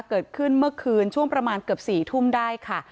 เกิดขึ้นเมื่อคืนช่วงประมาณเกือบ๔ทุ่มได้ค่ะ